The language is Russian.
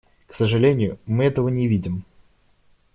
К сожалению, мы этого не видим.